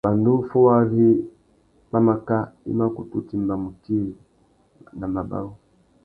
Pandú fôwari pwámáká, i mà kutu timba mutiri na mabarú.